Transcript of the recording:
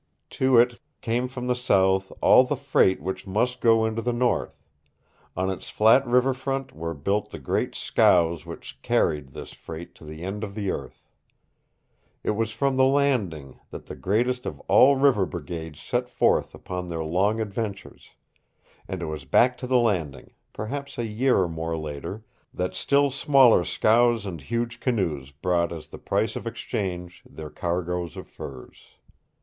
To it came from the south all the freight which must go into the north; on its flat river front were built the great scows which carried this freight to the end of the earth. It was from the Landing that the greatest of all river brigades set forth upon their long adventures, and it was back to the Landing, perhaps a year or more later, that still smaller scows and huge canoes brought as the price of exchange their cargoes of furs.